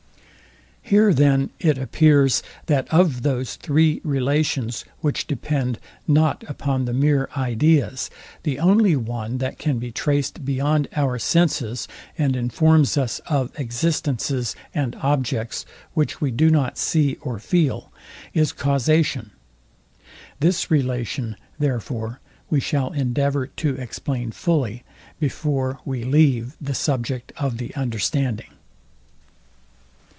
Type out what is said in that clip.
Here then it appears, that of those three relations, which depend not upon the mere ideas, the only one, that can be traced beyond our senses and informs us of existences and objects, which we do not see or feel, is causation. This relation, therefore, we shall endeavour to explain fully before we leave the subject of the understanding.